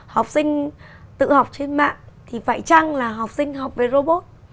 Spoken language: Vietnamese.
học sinh tự học trên mạng thì phải trăng là học sinh học với robot